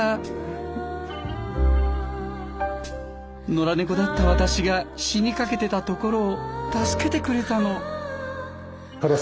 野良猫だった私が死にかけてたところを助けてくれたの。